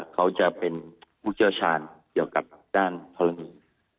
เขาจะเป็นผู้เชี่ยวชาญเกี่ยวกับด้านธรณี